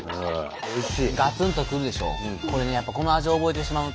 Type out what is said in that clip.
おいしい。